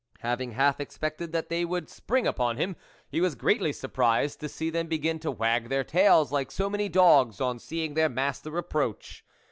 Having half expected that they would spring upon him, he was greatly surprised to see them begin to wag their tails like so many dogs on seeing their master ap proach.